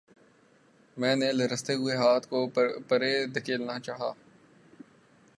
میں نے لرزتے ہوئے ہاتھ کو پرے دھکیلنا چاہا